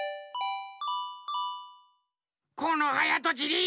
このはやとちり！